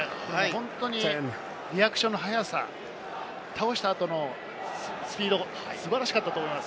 本当にリアクションの速さ、倒した後のスピード、素晴らしかったと思います。